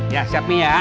ya siap nih ya